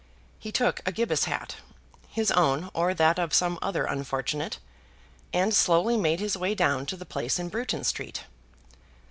He took a Gibus hat, his own, or that of some other unfortunate, and slowly made his way down to the place in Bruton Street.